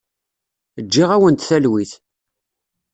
Ǧǧiɣ-awent talwit.